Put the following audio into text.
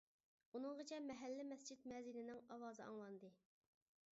ئۇنىڭغىچە مەھەللە مەسچىت مەزىنىنىڭ ئاۋازى ئاڭلاندى.